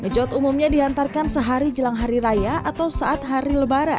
mejot umumnya dihantarkan sehari jelang hari raya atau saat hari lebaran